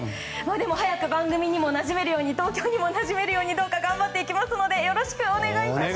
でも早く番組にもなじめるように東京にもなじめるようにどうか頑張っていきますのでよろしくお願いします！